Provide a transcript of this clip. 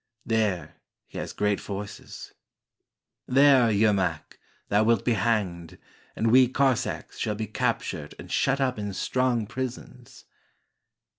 There he has great forces." ''There, Yermak, thou wilt be hanged, And we Cossacks shall be captured And shut up in strong prisons."